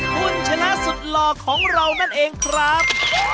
คุณชนะสุดหล่อของเรานั่นเองครับ